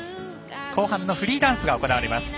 後半のフリーダンスが行われます。